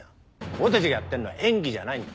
俺たちがやってんのは演技じゃないんだ。